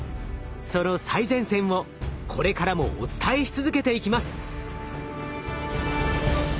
その最前線をこれからもお伝えし続けていきます。